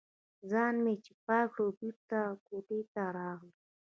ځان مې چې پاک کړ، بېرته کوټې ته راغلم.